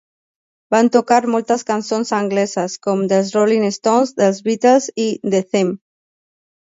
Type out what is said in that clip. Van tocar moltes cançons angleses, com dels Rolling Stones, dels Beatles i de Them.